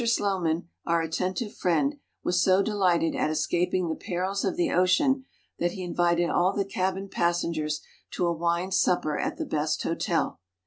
Slowman, our attentive friend, was so delighted at escaping the perils of the ocean, that he invited all the cabin passen gers to a wine supper at the best hotel.